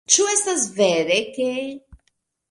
Ĉu estas vere ke...?